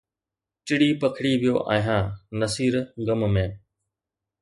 ٽڙي پکڙي ويو آهيان، نصير غم ۾